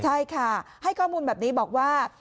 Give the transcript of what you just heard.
ใช่ค่ะให้ข้อมูลแบบนี้บอกว่า